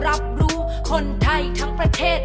รับรู้คนไทยทั้งประเทศ